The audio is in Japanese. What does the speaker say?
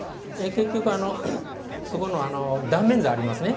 結局、そこの断面図ありますね。